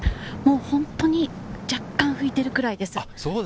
本当に若干吹いてるくらいです。